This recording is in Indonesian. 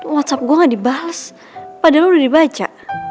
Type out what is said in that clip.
whatsapp gua ga dibales padahal udah dibaca